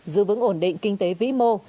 giữ vững ổn định kinh tế vĩ mô